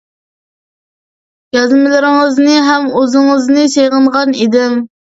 يازمىلىرىڭىزنى ھەم ئۆزىڭىزنى سېغىنغان ئىدىم.